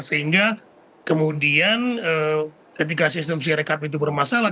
sehingga kemudian ketika sistem sirekap itu bermasalah